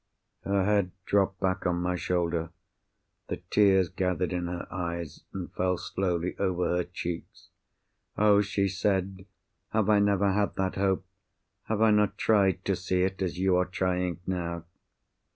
Her head dropped back on my shoulder. The tears gathered in her eyes, and fell slowly over her cheeks. "Oh!" she said, "have I never had that hope? Have I not tried to see it, as you are trying now?"